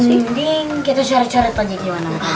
mending kita coret coret aja gimana